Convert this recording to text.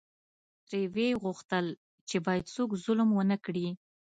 ترې وې غوښتل چې باید څوک ظلم ونکړي.